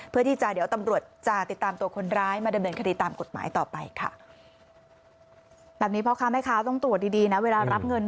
เพื่อที่จะเดี๋ยวตำรวจจะติดตามตัวคนร้ายมาดำเนินคดีตามกฎหมายต่อไปค่ะ